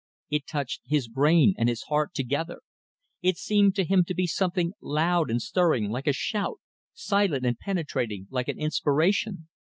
It touched his brain and his heart together. It seemed to him to be something loud and stirring like a shout, silent and penetrating like an inspiration.